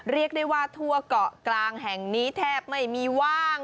เรียกได้ว่าทั่วเกาะกลางแห่งนี้แทบไม่มีว่าง